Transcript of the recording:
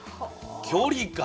距離か。